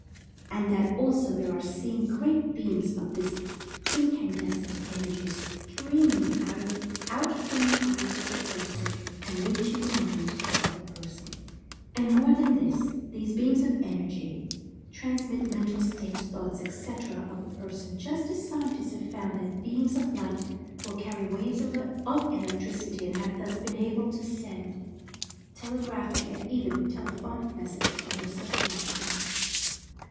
And that also there are seen great beams of this incan descent energy streaming out from the eyes of the person, and reaching the mind of other persons. And more than this, these "beams" of energy transmit mental states, thoughts, etc., of the person, just as scientists have found that "beams of light" will carry waves of electricity, and have thus been able to send 223 224 Mental Fascination telegraphic, and even telephonic messages over such beams of light.